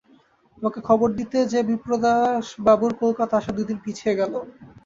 তোমাকে খবর দিতে যে বিপ্রদাসবাবুর কলকাতা আসা দুদিন পিছিয়ে গেল।